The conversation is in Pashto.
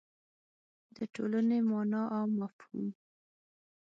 د ټولنې مانا او مفهوم